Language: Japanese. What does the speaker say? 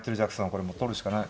これもう取るしかない。